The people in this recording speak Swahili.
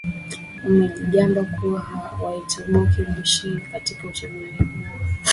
amejigamba kuwa wataibuka na ushindi katika uchaguzi huo